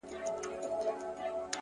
پوهه د نسلونو ترمنځ رڼا لېږدوي!